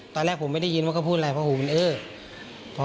ตอนแรกผมไม่ได้ยินว่าเขาพูดอะไรเพราะหูมันเออ